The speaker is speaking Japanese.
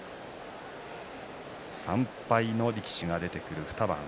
３敗の力士が出てくる２番。